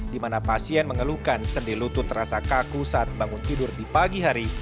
di mana pasien mengeluhkan sendi lutut terasa kaku saat bangun tidur di pagi hari